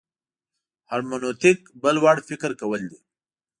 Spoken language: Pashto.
هرمنوتیک بل وړ فکر کول دي.